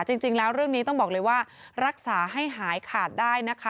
จริงแล้วเรื่องนี้ต้องบอกเลยว่ารักษาให้หายขาดได้นะคะ